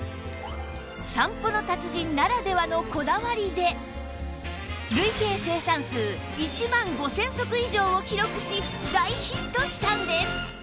散歩の達人ならではのこだわりで累計生産数１万５０００足以上を記録し大ヒットしたんです